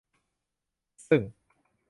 ซึ่ง